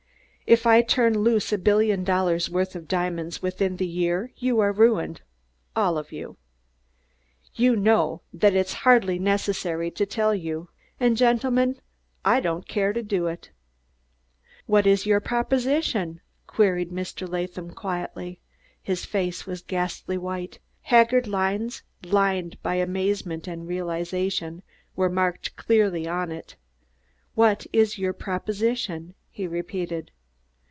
If I turn loose a billion dollars' worth of diamonds within the year you are ruined all of you. You know that it's hardly necessary to tell you. And, gentlemen, I don't care to do it." "What is your proposition?" queried Mr. Latham quietly. His face was ghastly white; haggard lines, limned by amazement and realization, were marked clearly on it. "What is your proposition?" he repeated.